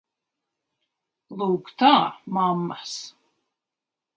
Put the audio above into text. Lūk tā, mammas!